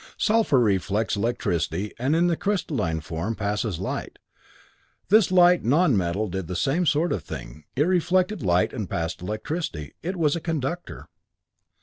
Sulphur reflects electricity and in the crystalline form passes light. This light non metal did the same sort of thing; it reflected light and passed electricity. It was a conductor.